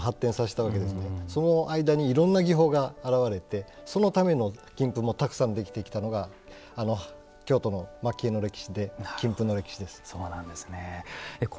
その間にいろんな技法が現れてそのための金粉もたくさんできてきたのが京都の蒔絵の歴史で金粉の歴史です。